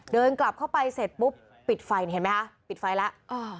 เดินกลับเข้าไปเสร็จปุ๊บปิดไฟนี่เห็นไหมคะปิดไฟแล้ว